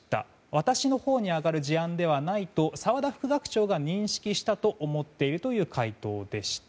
私のほうに上がる事案ではないと澤田副学長が認識したと思っているという回答でした。